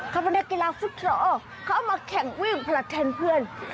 เขาเป็นนักกีฬาฟุตซอลเข้ามาแข่งวิ่งผลัดแทนเพื่อน